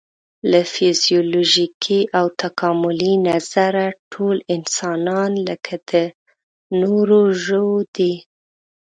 له فزیولوژیکي او تکاملي نظره ټول انسانان لکه د نورو ژوو دي.